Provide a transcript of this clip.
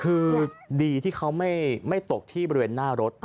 คือดีที่เขาไม่ตกที่บริเวณหน้ารถ